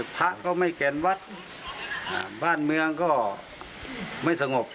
พระก็ไม่แก่นวัดบ้านเมืองก็ไม่สงบ